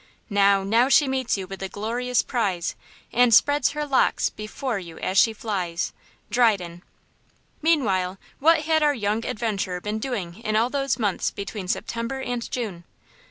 Now, now she meets you with a glorious prize, And spreads her locks before you as she flies. –DRYDEN. MEANWHILE, what had our young adventurer been doing in all those months between September and June!